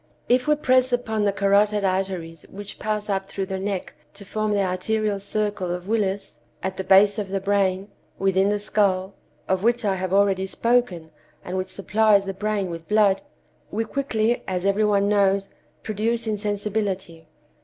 If we press upon the carotid arteries which pass up through the neck to form the arterial circle of Willis, at the base of the brain, within the skull—of which I have already spoken, and which supplies the brain with blood—we quickly, as every one knows, produce insensibility.